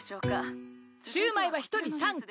シューマイは一人３個。